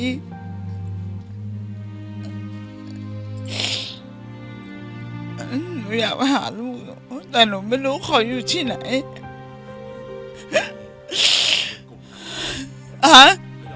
หนูอยากมาหาลูกแต่หนูไม่รู้เขาอยู่ที่ไหน